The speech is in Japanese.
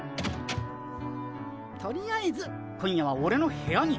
とりあえず今夜はオレの部屋に。